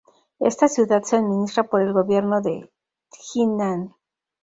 Esta ciudad se administra por el gobierno de Jinan.